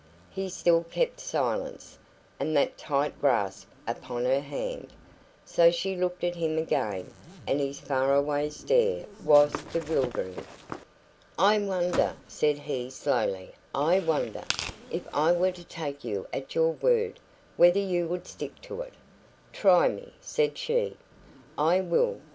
He still kept silence, and that tight grasp upon her hand. So she looked at him again; and his far away stare was bewildering. "I wonder," said he slowly "I wonder, if I were to take you at your word, whether you would stick to it?" "Try me," said she. "I will.